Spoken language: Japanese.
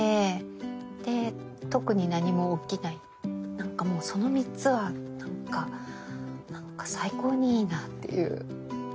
なんかもうその３つはなんかなんか最高にいいなっていう。